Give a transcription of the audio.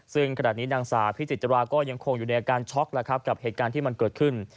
ซึ่งขณะนี้นางสาวพิจิตราก็ยังคงอยู่ในอาการช็อกแล้วครับกับเหตุการณ์ที่มันเกิดขึ้น